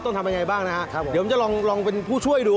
ต้องทำอย่างไรบ้างนะครับครับผมนะครับครับเดี๋ยวผมจะลองเป็นผู้ช่วยดู